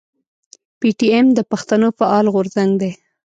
پي ټي ايم د پښتنو فعال غورځنګ دی.